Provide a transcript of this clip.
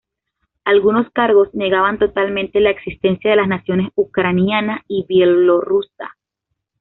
Algunos cargos negaban totalmente la existencia de las naciones ucraniana y bielorrusa.